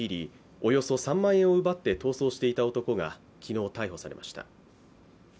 およそ３万円を奪って逃走していた男が昨日、逮捕されました。